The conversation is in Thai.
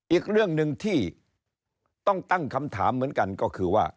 อีกเรื่องหนึ่งที่ต้องตั้งคำถามเหมือนกันก็คือว่า